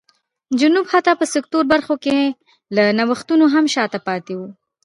جنوب حتی په سکتوري برخو کې له نوښتونو هم شا ته پاتې و.